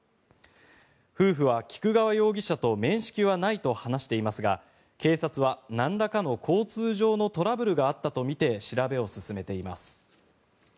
夫婦は菊川容疑者と面識はないと話していますが警察は、なんらかの交通上のトラブルがあったとみて調べを進めています。